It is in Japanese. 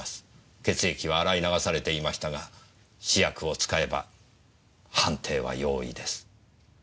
血液は洗い流されていましたが試薬を使えば判定は容易です。